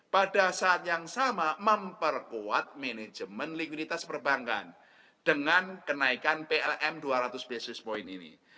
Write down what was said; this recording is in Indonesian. pada saat yang sama memperkuat manajemen likuiditas perbankan dengan kenaikan plm dua ratus basis point ini